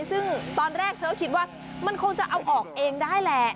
ซึ่งตอนแรกเธอก็คิดว่ามันคงจะเอาออกเองได้แหละ